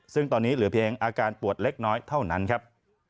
ซึ่งตอนนี้เหลือเพียงอาการปวดเล็กน้อยเท่านั้นครับ